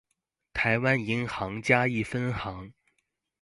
臺灣銀行嘉義分行